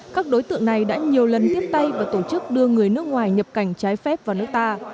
các đối tượng này đã nhiều lần tiếp tay và tổ chức đưa người nước ngoài nhập cảnh trái phép vào nước ta